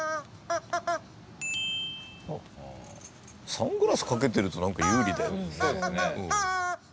サングラスかけてるとなんか有利だよね。